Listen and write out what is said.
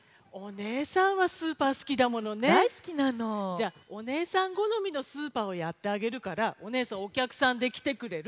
じゃあお姉さんごのみのスーパーをやってあげるからお姉さんおきゃくさんできてくれる？